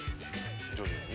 徐々にね。